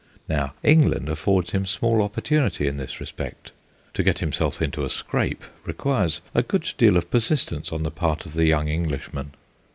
Now, England affords him small opportunity in this respect; to get himself into a scrape requires a good deal of persistence on the part of the young Englishman.